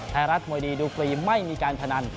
ไทยรัฐมวยดีดูฟรีไม่มีการพนัน